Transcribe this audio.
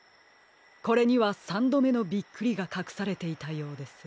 これにはさんどめのびっくりがかくされていたようです。